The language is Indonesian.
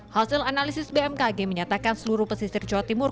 hasil analisis bmkg menyatakan seluruh pesisir jawa timur